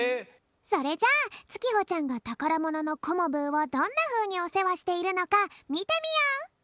それじゃあつきほちゃんがたからもののコモブーをどんなふうにおせわしているのかみてみよう！